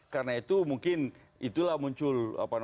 karena itu mungkin itulah muncul